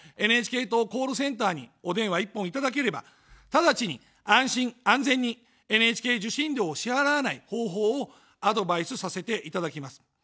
ＮＨＫ党コールセンターにお電話一本いただければ、直ちに安心・安全にＮＨＫ受信料を支払わない方法をアドバイスさせていただきます。